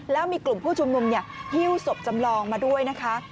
แล้วมีกลุ่มผู้ชุมนุมหิ้วศพจำลองมาด้วยนะคะ